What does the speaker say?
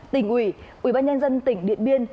tỉnh ủy ủy ban nhân dân tỉnh điện biên